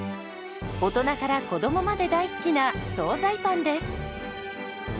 大人から子どもまで大好きな総菜パンです。